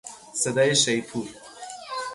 صدای شیپور